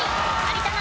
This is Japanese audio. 有田